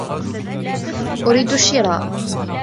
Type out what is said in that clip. أريد الشراء.